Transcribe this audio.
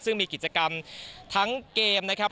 ซึ่งมีกิจกรรมทั้งเกมนะครับ